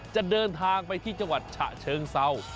จะเดินทางไปที่จังหวัดฉะเชิงเศร้า